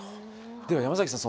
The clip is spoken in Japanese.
では山崎さん